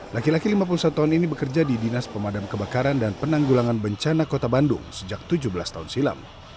laki laki lima puluh satu tahun ini bekerja di dinas pemadam kebakaran dan penanggulangan bencana kota bandung sejak tujuh belas tahun silam